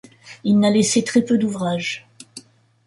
Il n'a laissé très peu d'ouvrages.